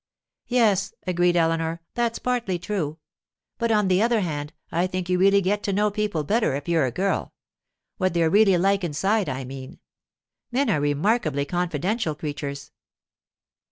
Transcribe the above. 'Yes,' agreed Eleanor; 'that's partly true. But, on the other hand, I think you really get to know people better if you're a girl—what they're really like inside, I mean. Men are remarkably confidential creatures.